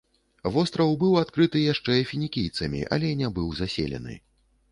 Востраў быў адкрыты яшчэ фінікійцамі, але не быў заселены.